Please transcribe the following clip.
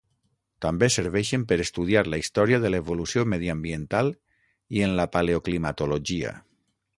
També serveixen per estudiar la història de l'evolució mediambiental i en la paleoclimatologia.